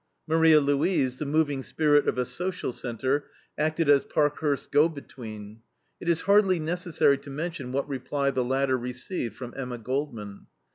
Maria Louise, the moving spirit of a social center, acted as Parkhurst's go between. It is hardly necessary to mention what reply the latter received from Emma Goldman.